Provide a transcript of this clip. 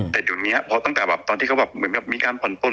แต่อยู่นี้ตอนที่เขาแบบมีการผ่อนต้น